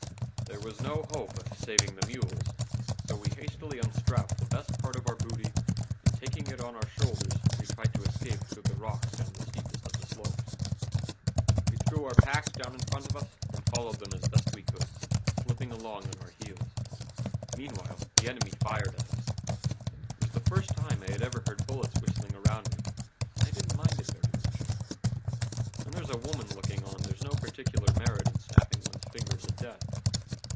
There was no hope of saving the mules, so we hastily unstrapped the best part of our booty, and taking it on our shoulders, we tried to escape through the rocks down the steepest of the slopes. We threw our packs down in front of us and followed them as best we could, slipping along on our heels. Meanwhile the enemy fired at us. It was the first time I had ever heard bullets whistling around me and I didn't mind it very much. When there's a woman looking on, there's no particular merit in snapping one's fingers at death.